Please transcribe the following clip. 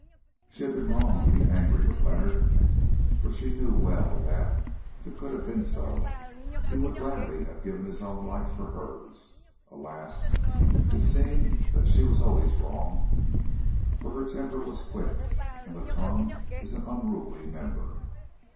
She had been wrong to be angry with Leonard, for she knew well that, if it could have been so, he would gladly have given his own life for hers. Alas! it seemed that she was always wrong, for her temper was quick and the tongue is an unruly member.